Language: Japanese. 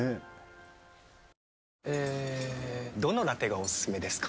どのラテがおすすめですか？